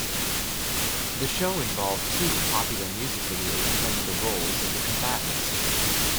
The show involved two popular music videos playing the roles of the combatants.